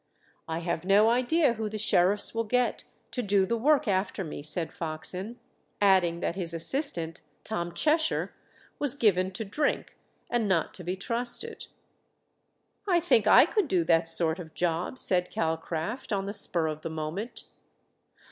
"I have no idea who the sheriffs will get to do the work after me," said Foxen, adding that his assistant, Tom Cheshire, was given to drink, and not to be trusted. "I think I could do that sort of job," said Calcraft, on the spur of the moment.